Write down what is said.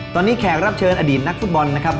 ตอนนี้แขกรับเชิญอดีตนักฟุตบอลนะครับ